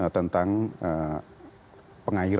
tentang sumber daya air